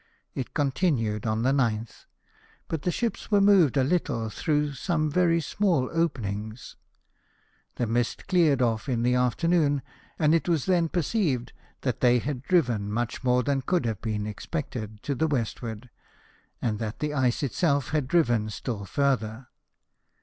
It con tinued on the 9th ; but the ships were moved a little through some very small openings ; the mist cleared off in the afternoon ; and it was then perceived that they had driven much more than could have been 12 LIFE OF NELSON. expected to the westward, and that the ice itself had driven still farther.